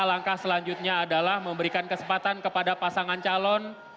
langkah selanjutnya adalah memberikan kesempatan kepada pasangan calon